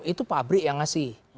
itu pabrik yang ngasih